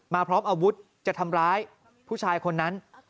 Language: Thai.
พร้อมอาวุธจะทำร้ายผู้ชายคนนั้น